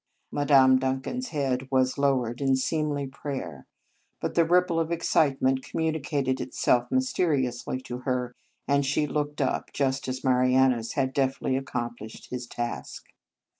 Madame Duncan s head was lowered in seemly prayer; but the ripple of excitement commu nicated itself mysteriously to her, and she looked up, just as Marianus had deftly accomplished his task.